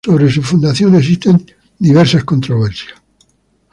Sobre su fundación existen diversas controversias.